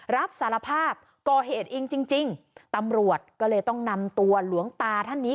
รับสารภาพก่อเหตุเองจริงจริงตำรวจก็เลยต้องนำตัวหลวงตาท่านนี้